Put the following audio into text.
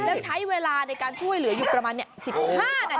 แล้วใช้เวลาในการช่วยเหลืออยู่ประมาณ๑๕นาที